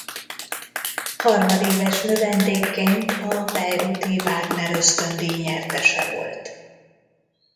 Harmadéves növendékként a bayreuthi Wagner-ösztöndíj nyertese volt.